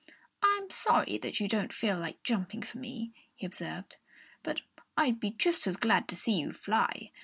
"I'm sorry that you don't feel like jumping for me," he observed. "But I'd be just as glad to see you fly!